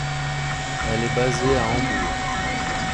Elle est basée à Hambourg.